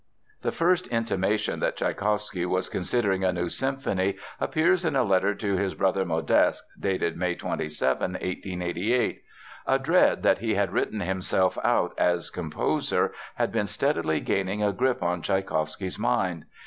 The first intimation that Tschaikowsky was considering a new symphony appears in a letter to his brother Modeste dated May 27, 1888. A dread that he had written himself out as composer had been steadily gaining a grip on Tschaikowsky's mind.